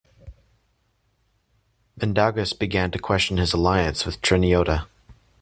Mindaugas began to question his alliance with Treniota.